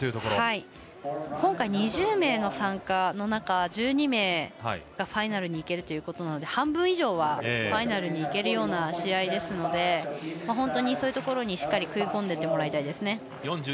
今回２０名の参加の中１２名がファイナルにいけるということなので半分以上はファイナルに行ける試合ですので本当に、しっかり食い込んでもらいたいです。